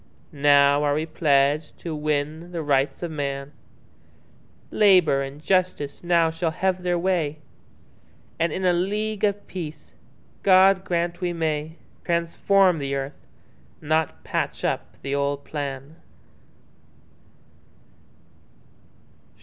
Now are we pledged to win the Rights of man; Labour and Justice now shall have their way, And in a League of Peace—God grant we may—Transform the earth, not patch up the old plan.